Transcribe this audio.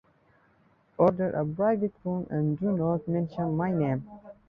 Order a private room, and do not mention my name.